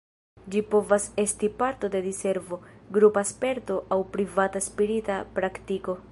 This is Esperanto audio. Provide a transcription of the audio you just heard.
Ĝi povas esti parto de diservo, grupa sperto aŭ privata spirita praktiko.